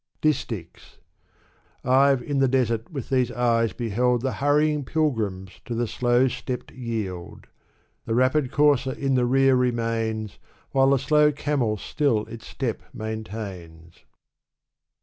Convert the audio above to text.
DisHchs. IVe in the desert with these eyes beheld The hurrying pilgrim to the slow stepped yield : The rapid courser in the rear remains, While the slow camel still its step maintains.